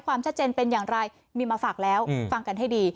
ความชัดเจนเป็นอย่างไรมีมาฝากแล้วฟังกันให้ดี